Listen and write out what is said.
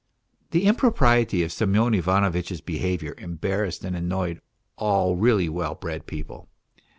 The impropriety of Semyon Ivanovitch's behaviour embarrassed and annoyed all really well bred people.